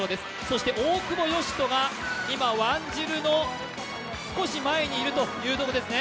そして大久保嘉人が今、ワンジルの少し前にいるというところですね。